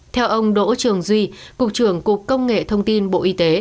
theo ông đỗ trường duy